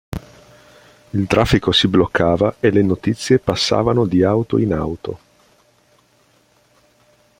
Il traffico si bloccava e le notizie passavano di auto in auto.